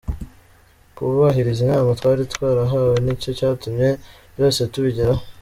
Kubahiriza inama twari twarahawe nicyo cyatumye byose tubigeraho.